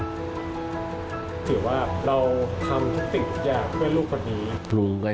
ถือว่าเราทำทุกสิ่งทุกอย่างเพื่อลูกคนนี้รู้ไหม